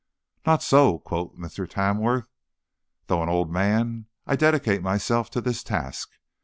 "Not so," quoth Mr. Tamworth. "Though an old man, I dedicate myself to this task.